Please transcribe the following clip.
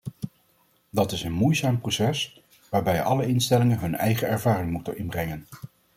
Dat is een moeizaam proces, waarbij alle instellingen hun eigen ervaring moeten inbrengen.